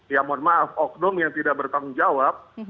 ya mohon maaf oknum yang tidak bertanggung jawab